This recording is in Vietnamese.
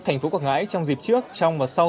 thành phố quảng ngãi trong dịp trước trong và sau